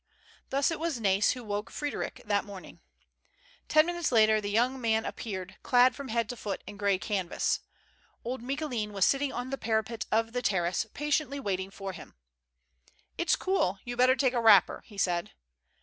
Thus it was Nais who woke Frederic that morning. 136 MURDEROUS ATTEMPTS. Ten minutes later tlie young man appeared, clad from Lead to foot in gray canvas. Old Micoulin was sitting on the parapet of the terrace, patiently waiting for Lim. '' It's cool, you'd better take a wrapper," he said.